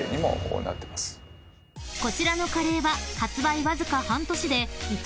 ［こちらのカレーは発売わずか］